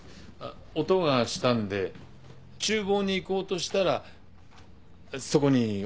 音がしたんで厨房に行こうとしたらそこに男が。